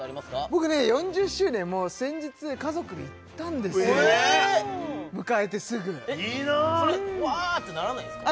僕ね４０周年もう先日家族で行ったんですよ迎えてすぐそれわってならないんですか？